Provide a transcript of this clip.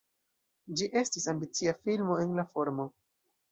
Ĝi estis ambicia filmo en la formo.